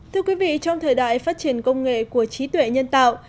thưa quý vị trong thời đại phát triển công nghệ của trí tuệ nhân tạo